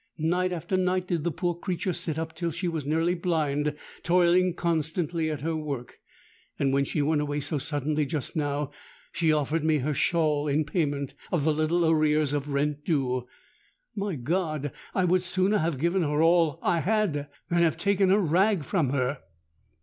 Night after night did the poor creature sit up till she was nearly blind, toiling constantly at her work. And when she went away so suddenly just now, she offered me her shawl in payment of the little arrears of rent due. My God! I would sooner have given her all I had than have taken a rag from her!